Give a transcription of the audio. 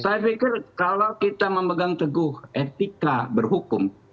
saya pikir kalau kita memegang teguh etika berhukum